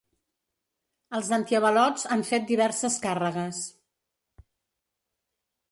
Els antiavalots han fet diverses càrregues.